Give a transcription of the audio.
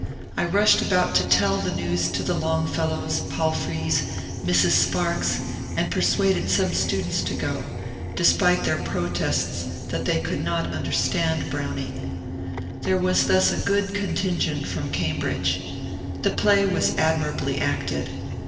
I rushed about to tell the news to the Longfellows, Palfreys, Mrs. Sparks, and persuaded some students to go, — despite their protests that 178 MONCURE DANIEL CONWAT they oould not understand Browning. There was thus a good contingent from Cambridge. The play was admirably acted.